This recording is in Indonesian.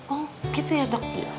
oh gitu ya dok